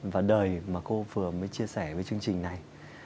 và đời mà cô vừa mới chia sẻ với chương trình này